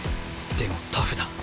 でもタフだ。